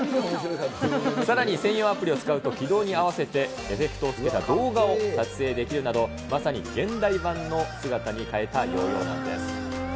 さらに専用アプリを使うと、軌道に合わせてエフェクトをつけた動画を撮影できるなど、まさに現代版の姿に変えたヨーヨーなんです。